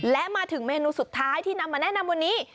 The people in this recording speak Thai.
และมาถึงเมนูสุดท้ายที่นำมาแนะนำวันนี้